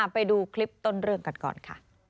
ไปดูคลิปต้นเรื่องกันก่อนค่ะ